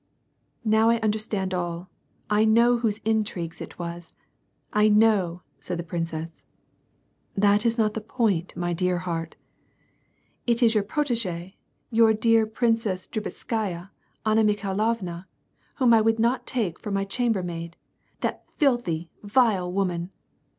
" Now I understand all. I know whose intrigues it was. I know," said the princess. " That is not to the jwint, my dear heart." " It is your protege, your dear Princess Drubetskaya, Anna Mikhailovna, whom I would not take for my chambermaid ; that filthy, vile woman